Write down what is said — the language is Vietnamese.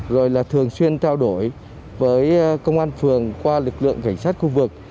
rồi là thường xuyên trao đổi với công an phường qua lực lượng cảnh sát khu vực